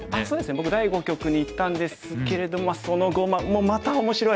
僕第五局に行ったんですけれどもその碁もまた面白い！